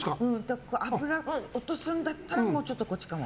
脂を落とすんだったらもうちょっとこっちかな。